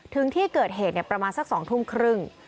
ถึงที่เกิดเหตุประมาณสัก๒ทุ่มครึ่ง